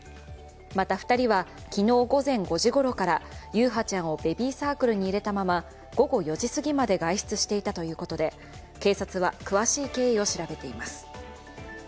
また、２人は昨日午前５時ごろから優陽ちゃんをベビーサークルに入れたまま、午後４時すぎまで外出していたということで、警察は詳しい経緯を調べています。